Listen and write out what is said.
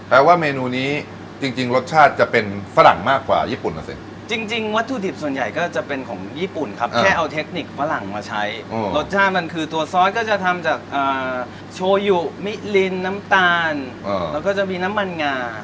ว่าเมนูนี้จริงจริงรสชาติจะเป็นฝรั่งมากกว่าญี่ปุ่นนะสิจริงวัตถุดิบส่วนใหญ่ก็จะเป็นของญี่ปุ่นครับแค่เอาเทคนิคฝรั่งมาใช้รสชาติมันคือตัวซอสก็จะทำจากโชยุมิลินน้ำตาลแล้วก็จะมีน้ำมันงา